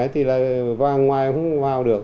thì là vàng ngoài không vào được